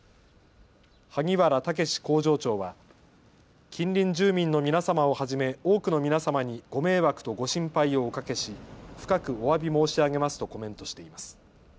萩原丈士工場長は近隣住民の皆様をはじめ多くの皆様にご迷惑とご心配をおかけし深くおわび申し上げますとコメントしています。